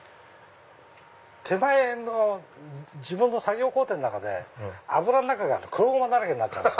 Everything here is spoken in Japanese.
手前の自分の作業工程の中で油の中が黒ごまだらけになる。